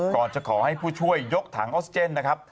ก่อนจะขอให้ผู้ช่วยยกถังออกซิเจนนะครับ